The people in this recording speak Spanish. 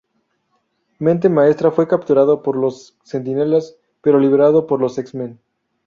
Mente Maestra fue capturado por los Centinelas, pero liberado por los X-Men.